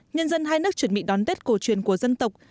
nhân dân hai nước chuẩn bị đón tết cổ truyền của dân tộc